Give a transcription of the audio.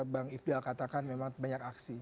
bang ifdal katakan memang banyak aksi